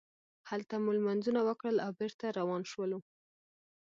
هلته مو لمونځونه وکړل او بېرته روان شولو.